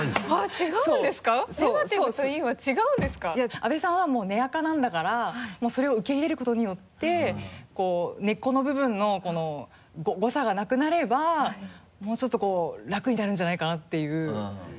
阿部さんはもう根明なんだからもうそれを受け入れることによって根っこの部分のこの誤差がなくなればもうちょっとこう楽になるんじゃないかなっていう。